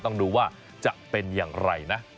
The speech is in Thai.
ต้องดูว่าจะเป็นอย่างไรนะ